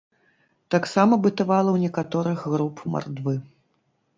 Таксама бытавала ў некаторых груп мардвы.